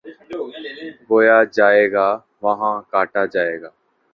بویا جائے گا، وہاں کاٹا جائے گا۔